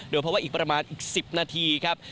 เพราะว่าอีกประมาณอีก๑๐นาทีครับ